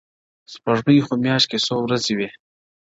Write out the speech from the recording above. o سپوږمۍ خو مياشت كي څو ورځي وي؛